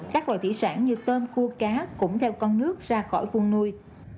các loài thủy sản như tôm cua cá cũng theo con nước ra khỏi vùng nuôi